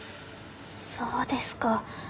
そうですか。